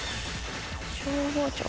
消防庁。